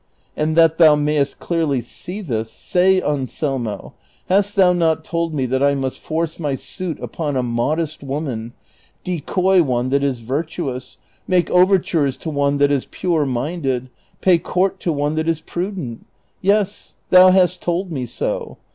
And that thou mayest clearly see this, say, Anselmo, hast thou not told me that I must force my suit upon a modest woman, decoy one that is virtuous, make overtures to one that is pure minded, pay court to one that is prudent ? Yes, thou hast told me so.